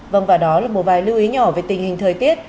vâng và đó là một vài lưu ý nhỏ về tình hình thời tiết